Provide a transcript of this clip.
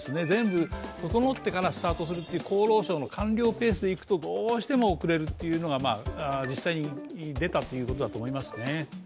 全部整ってからスタートするという厚労省の官僚ペースでいくとどうしても遅れるというのが実際に出たということだと思いますね。